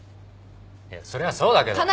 いやそりゃそうだけど。